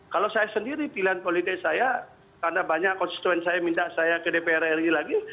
kalau saya sendiri pilihan politik saya karena banyak konstituen saya minta saya ke dpr ri lagi